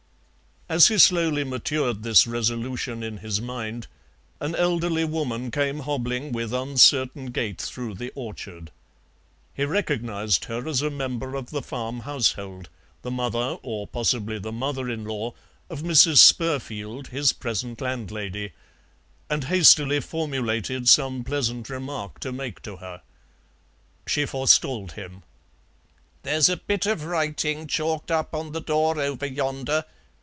As he slowly matured this resolution in his mind an elderly woman came hobbling with uncertain gait through the orchard. He recognized her as a member of the farm household, the mother or possibly the mother in law of Mrs. Spurfield, his present landlady, and hastily formulated some pleasant remark to make to her. She forestalled him. "There's a bit of writing chalked up on the door over yonder.